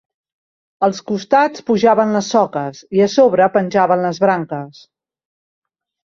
Als costats pujaven les soques, i a sobre penjaven les branques